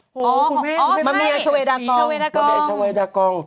โอ้โฮคุณแม่ไม่ไม่มะเมียชาเวดากอง